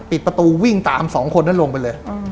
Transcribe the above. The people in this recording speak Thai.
ปิดประตูวิ่งตามสองคนนั้นลงไปเลย